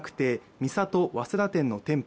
三郷早稲田店の店舗